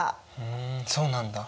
ふんそうなんだ。